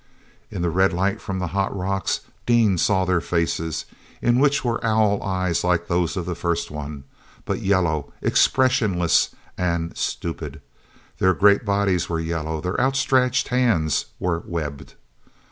In the red light from the hot rocks Dean saw their faces, in which were owl eyes like those of the first one, but yellow, expressionless and stupid. Their great bodies were yellow: their outstretched hands were webbed.